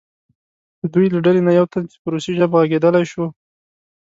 د دوی له ډلې نه یو تن چې په روسي ژبه غږېدلی شو.